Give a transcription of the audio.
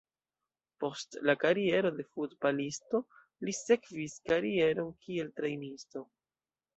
Post la kariero de futbalisto, li sekvis karieron kiel trejnisto.